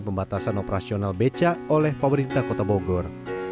pembatasan operasional beca oleh pemerintah kota bogor